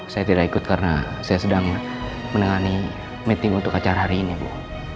saya tidak ikut karena saya sedang menangani meeting untuk acara hari ini bu